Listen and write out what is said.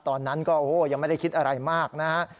ตอนนั้นก็โอ้โหยังไม่ได้คิดอะไรมากนะฮะ